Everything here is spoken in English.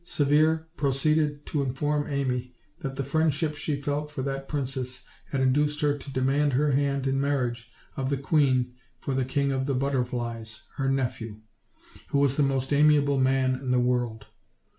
Severe proceeded to inform Amy that the friendship she felt for that prin 158 OLD, OLD FAIRY TALES. cess had induced her to demand her hand in marriage of the queen for the King of the Butterflies, her nephew, who was the most amiable man in the world.